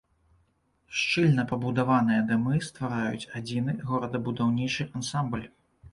Шчыльна пабудаваныя дамы ствараюць адзіны горадабудаўнічы ансамбль.